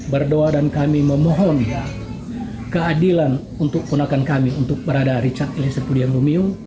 berdoa dan kami memohon keadilan untuk ponakan kami untuk berada richard eliezer pudia lumiu